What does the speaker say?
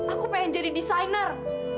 aku pengen jadi desainer